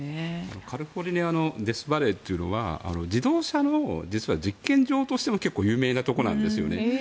カリフォルニアのデスバレーというのは自動車の実験場としても結構有名なところなんですね。